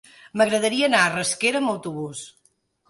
M'agradaria anar a Rasquera amb autobús.